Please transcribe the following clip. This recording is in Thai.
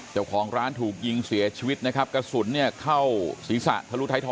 เจ้าของร้านถูกยิงเสียชีวิตนะครับกระสุนเนี่ยเข้าศีรษะทะลุท้ายทอ